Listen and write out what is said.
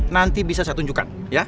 nanti bisa saya tunjukkan